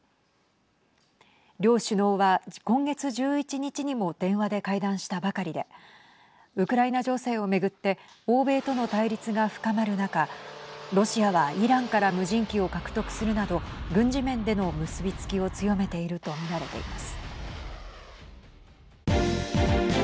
両首脳は今月１１日にも電話で会談したばかりでウクライナ情勢を巡って欧米との対立が深まる中ロシアはイランから無人機を獲得するなど軍事面での結び付きを強めていると見られています。